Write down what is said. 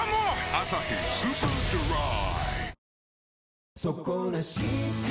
「アサヒスーパードライ」